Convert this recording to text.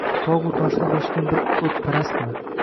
Togʼu toshda adashgan bir oʼtparastmi